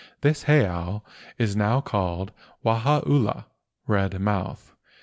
This heiau is now called Wahaula (red mouth).